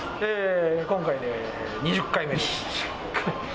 今回で２０回目。